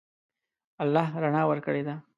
الله رڼا ورکړې ده.